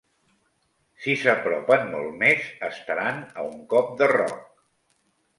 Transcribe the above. Si s'apropen molt més, estaran a un cop de roc.